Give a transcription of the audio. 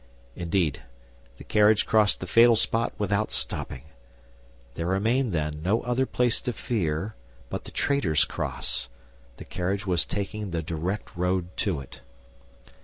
Indeed, the carriage crossed the fatal spot without stopping. There remained, then, no other place to fear but the Traitor's Cross; the carriage was taking the direct road to it.